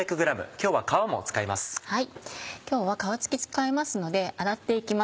今日は皮つき使いますので洗って行きます。